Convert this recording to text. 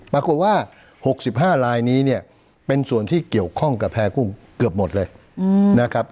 ปรากฏว่า๖๕ลายนี้เนี่ยเป็นส่วนที่เกี่ยวข้องกับแพร่กุ้งเกือบหมดเลยนะครับ